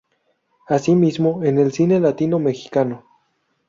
Asimismo en el cine latino mexicano.